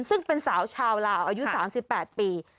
ซึ่งเป็นสาวชาวลาวอายุ๓๘ปี